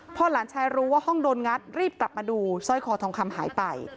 พอหลานชายรู้ว่าห้องโดนงัดรีบกลับมาดูสร้อยคอทองคำหายไป